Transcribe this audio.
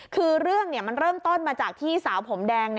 คือเรื่องมันเริ่มต้นมาจากที่สาวผมแดง